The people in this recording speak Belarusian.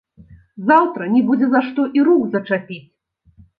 Заўтра не будзе за што і рук зачапіць.